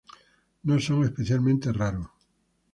No son especialmente raros.